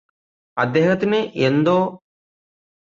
അദ്ദേഹത്തിന് എന്തോ